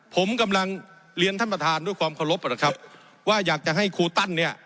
ผมกำลังเรียนท่านประธานด้วยความเคารพนะครับว่าอยากจะให้ครูตั้นเนี่ย